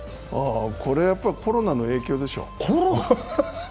これはやっぱりコロナの影響でしょう。